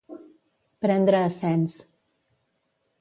Prendre a cens.